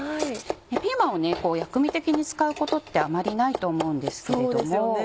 ピーマンを薬味的に使うことってあまりないと思うんですけれども。